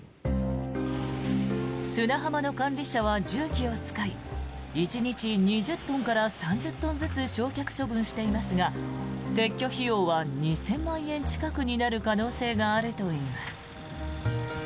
砂浜の管理者は重機を使い１日２０トンから３０トンずつ焼却処分していますが撤去費用は２０００万円近くになる可能性があるといいます。